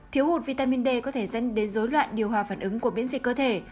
thiếu hụt vitamin d có thể dẫn đến dối loạn điều hòa phản ứng của miễn dịch cơ thể